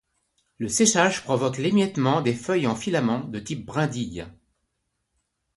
Le séchage provoque l'émiettement des feuilles en filament de type brindille.